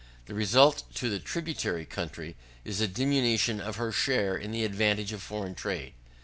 The result to the tributary country is a diminution of her share in the advantage of foreign trade.